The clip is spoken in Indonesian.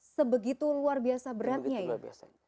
sebegitu luar biasa beratnya ini